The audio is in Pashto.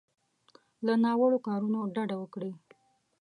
له ناوړو کارونو ډډه وکړي.